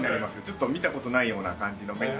ちょっと見た事ないような感じの麺に。